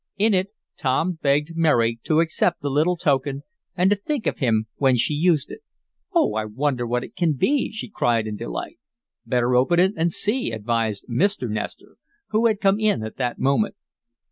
In it Tom begged Mary to accept the little token, and to think of him when she used it. "Oh! I wonder what it can be," she cried in delight. "Better open it and see," advised Mr. Nestor, who had come in at that moment.